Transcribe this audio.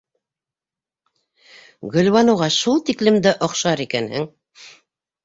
Гөлбаныуға шул тиклем дә оҡшар икәнһең!